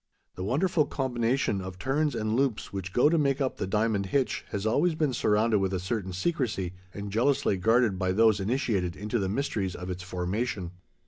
The wonderful combination of turns and loops which go to make up the diamond hitch has always been surrounded with a certain secrecy, and jealously guarded by those initiated into the mysteries of its formation.